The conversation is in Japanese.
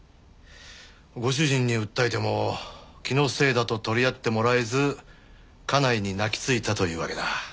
ご主人に訴えても気のせいだと取り合ってもらえず家内に泣きついたというわけだ。